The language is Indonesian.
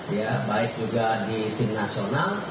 ya baik juga di tim nasional